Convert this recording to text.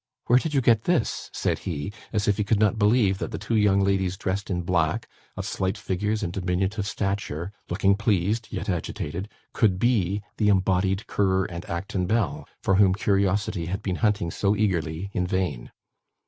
"Where did you get this?" said he, as if he could not believe that the two young ladies dressed in black, of slight figures and diminutive stature, looking pleased yet agitated, could be the embodied Currer and Acton Bell, for whom curiosity had been hunting so eagerly in vain.